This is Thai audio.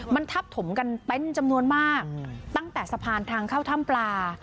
มันทับถมกันเป็นจำนวนมากตั้งแต่สะพานทางเข้าถ้ำปลา